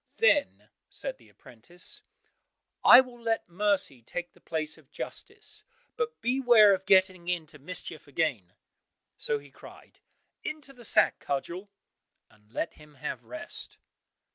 Then said the apprentice, "I will let mercy take the place of justice, but beware of getting into mischief again!" So he cried, "Into the sack, Cudgel!" and let him have rest.